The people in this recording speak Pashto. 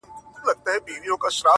ما خو خپل زړه هغې ته وركړى ډالۍ.